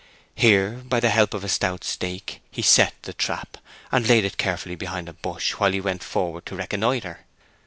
Here, by the help of a stout stake, he set the trap, and laid it carefully behind a bush while he went forward to reconnoitre.